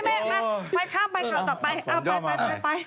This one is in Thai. ไม่มาข้ามไปก่อนต่อไปไป